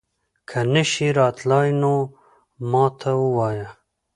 که نه شې راتلی نو ما ته ووايه